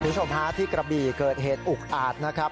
คุณผู้ชมฮะที่กระบี่เกิดเหตุอุกอาจนะครับ